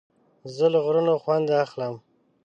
زه له غرونو خوند اخلم.